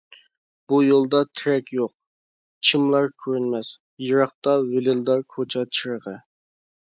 بۇ يولدا تېرەك يوق، چىملار كۆرۈنمەس، يىراقتا ۋىلىلدار كوچا چىرىغى.